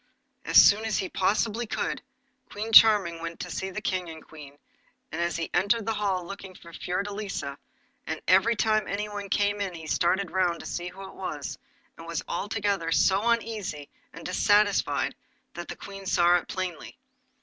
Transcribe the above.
As soon as he possibly could, King Charming went to see the King and Queen, and as he entered the hall he looked for Fiordelisa, and every time anyone came in he started round to see who it was, and was altogether so uneasy and dissatisfied that the Queen saw it plainly.